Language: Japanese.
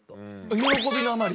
喜びのあまり？